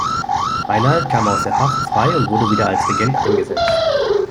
Rainald kam aus der Haft frei und wurde wieder als Regent eingesetzt.